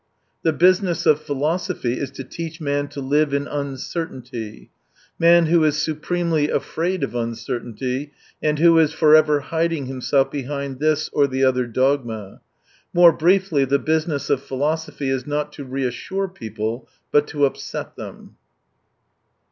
The business of philosophy is to teach man to live in uncertainty — man who is supremely afraid of uncertainty, and who is forever hiding himself behind this or the other dogma. More briefly, the business qf philosophy is nat to reassure people, but to upset them.